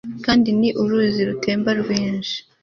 Kandi ni uruzi rutemba rwinshi